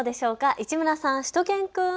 市村さん、しゅと犬くん。